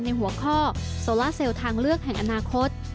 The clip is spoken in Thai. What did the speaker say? ในหัวข้อโซล่าเซลทางเลือกแห่งอนาคต